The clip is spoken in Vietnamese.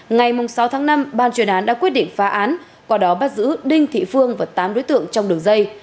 ngày sáu tháng năm ban chuyên án đã quyết định phá án qua đó bắt giữ đinh thị phương và tám đối tượng trong đường dây